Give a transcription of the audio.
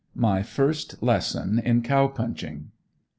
MY FIRST LESSON IN COW PUNCHING.